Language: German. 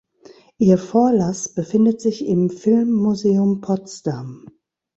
Ihr Vorlass befindet sich im Filmmuseum Potsdam.